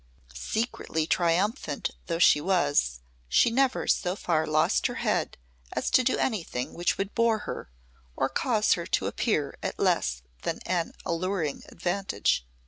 Secretly triumphant though she was, she never so far lost her head as to do anything which would bore her or cause her to appear at less than an alluring advantage.